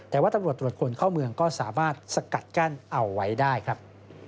แต่ว่าตำรวจตรวจคนเข้าเมืองก็สามารถสกัดกั้นเอาไว้ได้ครับ